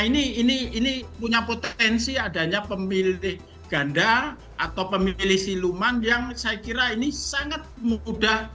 nah ini punya potensi adanya pemilik ganda atau pemilih siluman yang saya kira ini sangat mudah